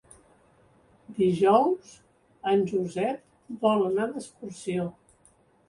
Dijous en Josep vol anar d'excursió.